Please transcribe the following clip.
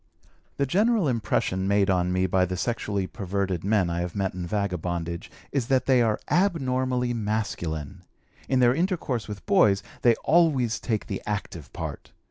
The general impression made on me by the sexually perverted men I have met in vagabondage is that they are abnormally masculine. In their intercourse with boys they always take the active part.